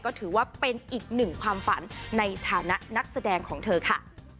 ก็ถือว่าเป็นอีกหนึ่งความฝันในฐานะนักแสดงของเธอค่ะ